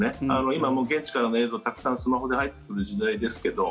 今、現地からの映像たくさんスマホで入ってくる時代ですけど